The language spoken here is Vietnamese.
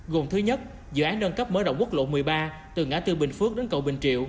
gồm thứ nhất dự án nâng cấp mở rộng quốc lộ một mươi ba từ ngã tư bình phước đến cầu bình triệu